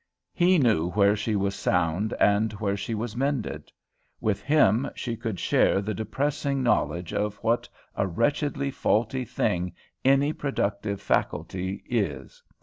He knew where she was sound and where she was mended. With him she could share the depressing knowledge of what a wretchedly faulty thing any productive faculty is.